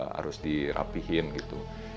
harus dirapihin gitu